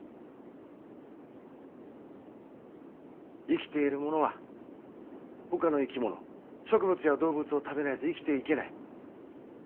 生きているものはほかの生き物植物や動物を食べないと生きていけない。